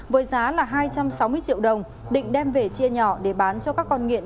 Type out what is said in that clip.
với giá là hai trăm sáu mươi triệu đồng định đem về chia nhỏ để bán cho các con nghiện